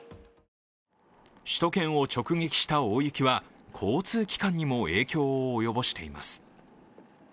首都圏を直撃した大雪は交通機関にも影響を及ぼしています。